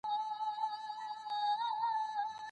د لويي جرګې له پاره رسمي بلنلیکونه څوک وېشي؟